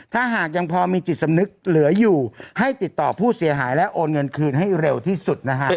ถ้าหากยังพอมีจิตสำนึกเหลืออยู่ให้ติดต่อผู้เสียหายและโอนเงินคืนให้เร็วที่สุดนะฮะ